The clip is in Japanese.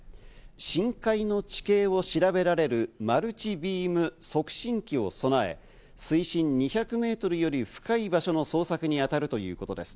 深海の地形を調べられるマルチビーム測深機を備え、水深２００メートルより深い場所の捜索に当たるということです。